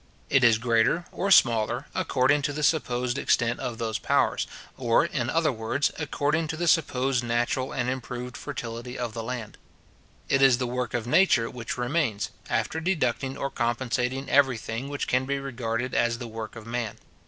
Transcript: It is greater or smaller, according to the supposed extent of those powers, or, in other words, according to the supposed natural or improved fertility of the land. It is the work of Nature which remains, after deducting or compensating every thing which can be regarded as the work of man.